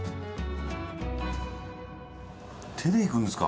手でいくんですか？